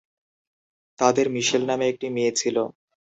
তাদের মিশেল নামে একটি মেয়ে ছিল।